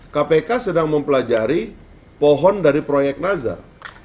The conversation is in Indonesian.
kpk sedang mempelajari pohon dari proyek nazar